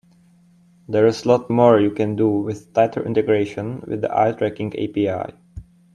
There's a lot more you can do with a tighter integration with the eye tracking API.